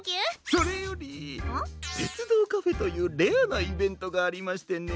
それよりてつどうカフェというレアなイベントがありましてね。